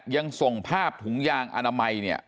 ยังส่งภาพถุงยางอนามัยเนี่ย